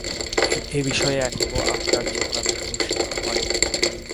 এ বিষয়ে এখনও আপনার চেতনা বিকশিত হয় নাই।